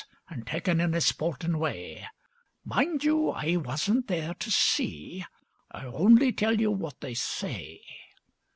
An' taken in a sportin' way. Mind you, I wasn't there to see; I only tell you what they say.